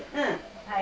はい。